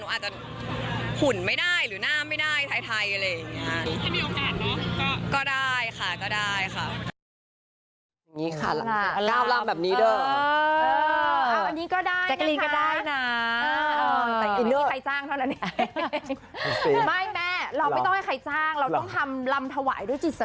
อาจจะหุ่นไม่ได้หรือหน้าไม่ได้ไทยอะไรอย่างนี้